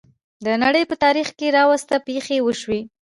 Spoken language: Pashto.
د نړۍ په تاریخ کې راوروسته پېښې وشوې.